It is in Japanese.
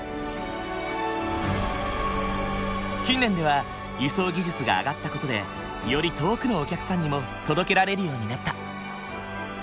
近年では輸送技術が上がった事でより遠くのお客さんにも届けられるようになった。